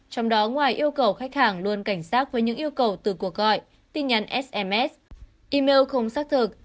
trong đó ngoài yêu cầu khách hàng luôn cảnh sát với những yêu cầu từ cuộc gọi tin nhắn sms email không xác thực